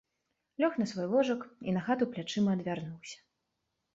Лёг на свой ложак і на хату плячыма адвярнуўся.